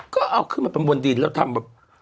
ก็เอาขึ้นมาเป็นบนดินแล้วทำแบบ